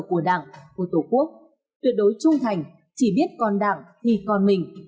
của đảng của tổ quốc tuyệt đối trung thành chỉ biết còn đảng thì còn mình